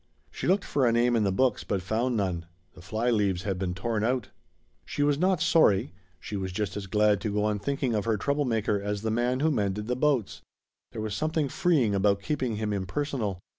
She looked for a name in the books, but found none. The fly leaves had been torn out. She was not sorry; she was just as glad to go on thinking of her trouble maker as the man who mended the boats. There was something freeing about keeping him impersonal.